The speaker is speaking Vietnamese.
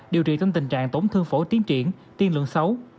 điều trị trong tình trạng tổn thương phổi tiến triển tiên lượng xấu